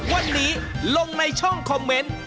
วันนี้ลงในช่องคอมเมนต์